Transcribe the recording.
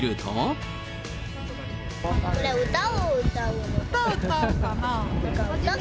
これ、歌を歌うの？